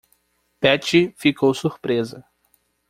Betty ficou surpresa.